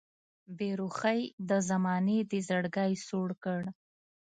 بې رخۍ د زمانې دې زړګی سوړ کړ